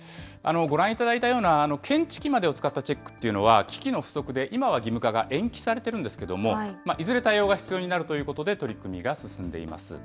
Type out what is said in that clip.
ご覧いただいたような検知器までを使ったチェックというのは、機器の不足で、今は義務化が延期されてるんですけれども、いずれ対応が必要になるということで、取り組みが進んでいます。